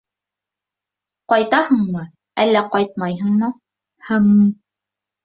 Ҡайтаһыңмы, әллә ҡайтмайһыңмы? һы-ым.